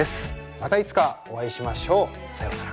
またいつかお会いしましょう。さようなら。